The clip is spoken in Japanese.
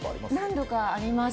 何度かあります。